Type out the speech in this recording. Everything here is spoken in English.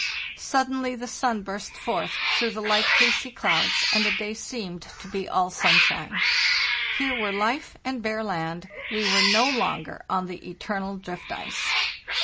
Suddenly the sun burst forth through the light fleecy clouds, and the day seemed to be all sunshine. Here were life and bare land; we were no longer on the eternal drift ice!